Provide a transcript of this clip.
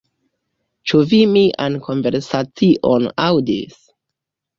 Ĉu vi mian konversacion aŭdis?